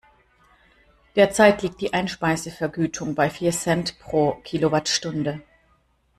Derzeit liegt die Einspeisevergütung bei vier Cent pro Kilowattstunde.